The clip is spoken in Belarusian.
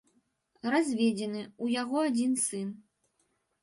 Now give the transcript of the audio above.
Разведзены, у яго адзін сын.